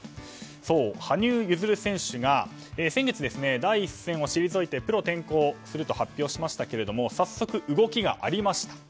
羽生結弦選手が先日第一線を退いてプロ転向すると宣言しましたが早速、動きがありました。